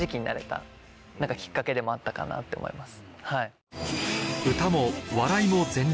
でもあったかなって思います。